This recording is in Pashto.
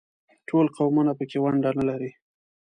ټول قومونه په کې ونډه نه لري.